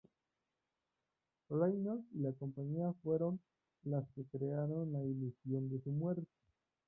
Reynolds y La Compañía fueron las que crearon la ilusión de su muerte.